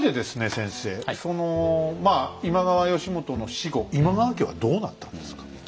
先生その今川義元の死後今川家はどうなったんですか？